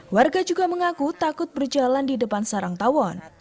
warga juga mengaku takut berjalan di depan sarang tawon